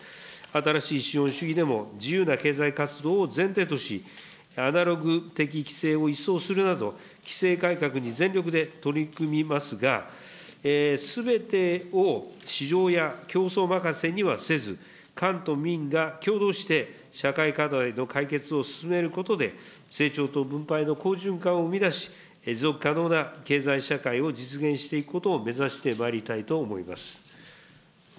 新しい資本主義でも、自由な経済活動を前提とし、アナログ的規制を一掃するなど、規制改革に全力で取り組みますが、すべてを市場や競争任せにはせず、官と民がきょうどうして、社会課題の解決を進めることで、成長と分配の好循環を生み出し、持続可能な経済社会を実現していくことを目指してまいりたいと思います。